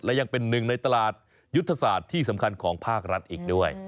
และยังเป็นหนึ่งในตลาดยุทธศาสตร์ที่สำคัญของภาครัฐอีกด้วย